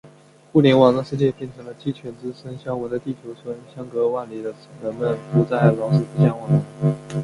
互联网让世界变成了“鸡犬之声相闻”的地球村，相隔万里的人们不再“老死不相往来”。